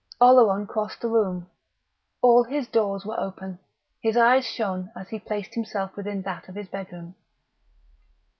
Oleron crossed the room. All his doors were open; his eyes shone as he placed himself within that of his bedroom.